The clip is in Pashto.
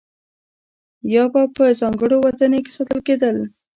یا به په ځانګړو ودانیو کې ساتل کېدل.